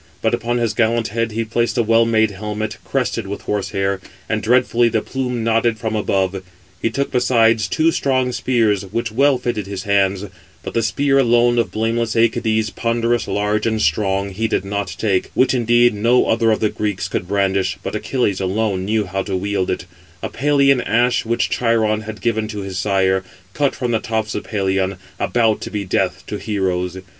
But upon his gallant head he placed the well made helmet, crested with horse hair; and dreadfully the plume nodded from above. He took besides two strong spears, which well fitted his hands; but the spear alone of blameless Æacides, ponderous, large, and strong, he did not take; which, indeed, no other of the Greeks could brandish, but Achilles alone knew how to wield it; a Pelian ash which Chiron had given to his sire, [cut] from the tops of Pelion, about to be death to heroes.